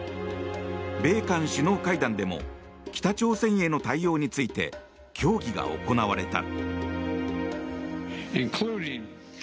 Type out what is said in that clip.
米韓首脳会談でも北朝鮮への対応について協議が行われた。